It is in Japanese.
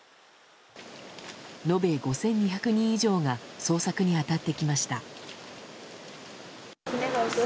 延べ５２００人以上が捜索に当たってきました。